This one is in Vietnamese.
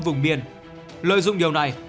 vùng biển lợi dụng điều này